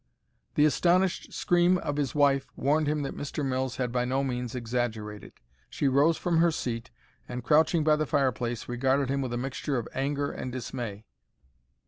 The astonished scream of his wife warned him that Mr. Mills had by no means exaggerated. She rose from her seat and, crouching by the fireplace, regarded him with a mixture of anger and dismay.